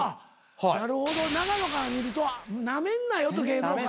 なるほど永野から見るとナメんなよと芸能界。